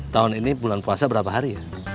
tahun ini bulan puasa berapa hari